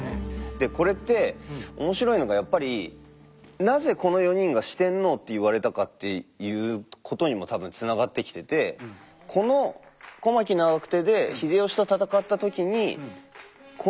でこれって面白いのがやっぱりなぜこの４人が四天王って言われたかっていうことにも多分つながってきててこのという説があるぐらい。